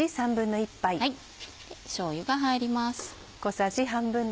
しょうゆが入ります。